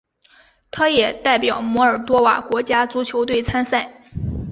他也代表摩尔多瓦国家足球队参赛。